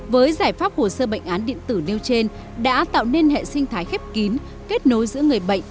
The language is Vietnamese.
với giải pháp hồ sơ bệnh án điện tử nêu trên đã tạo nên hệ sinh thái khép kín kết nối giữa người bệnh